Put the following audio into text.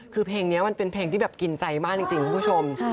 คือเพลงนี้มันเป็นเพลงที่แบบกินใจมากจริงคุณผู้ชม